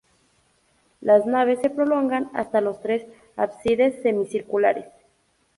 Las naves se prolongan hasta los tres ábsides semicirculares.